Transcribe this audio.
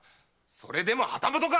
それでも旗本か！